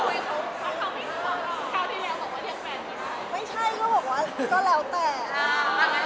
เมื่อที่แกพูดว่าเนี๊ยบแฟนใคร